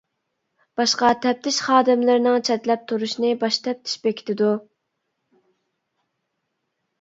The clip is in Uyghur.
باشقا تەپتىش خادىملىرىنىڭ چەتلەپ تۇرۇشىنى باش تەپتىش بېكىتىدۇ.